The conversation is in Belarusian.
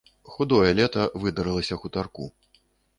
Худое лета выдарылася хутарку.